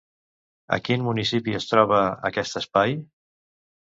A quin municipi es troba, aquest espai?